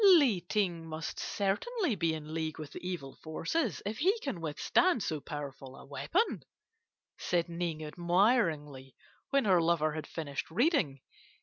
"'Li Ting must certainly be in league with the evil forces if he can withstand so powerful a weapon,' said Ning admiringly, when her lover had finished reading.